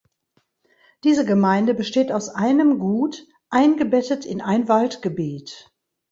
Diese Gemeinde besteht aus einem Gut, eingebettet in ein Waldgebiet.